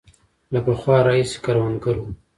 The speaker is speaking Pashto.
له پخوا راهیسې کروندګر وو.